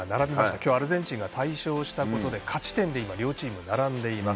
今日アルゼンチンが大勝したので勝ち点で両チーム、並んでいます。